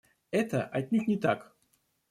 Это отнюдь не так!